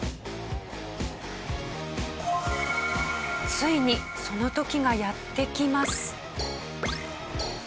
ついにその時がやって来ます。